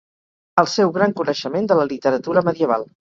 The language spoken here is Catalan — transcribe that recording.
El seu gran coneixement de la literatura medieval